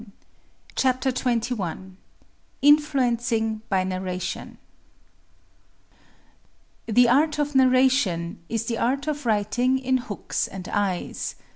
"] CHAPTER XXI INFLUENCING BY NARRATION The art of narration is the art of writing in hooks and eyes.